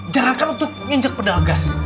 jangan kan waktu nginjek pedal gas